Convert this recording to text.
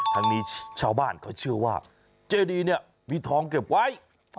ทั้งนี้ชาวบ้านเขาเชื่อว่าเจดีเนี่ยมีทองเก็บไว้